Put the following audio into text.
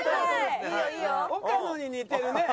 岡野に似てるね。